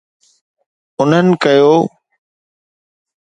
انهن ڪيو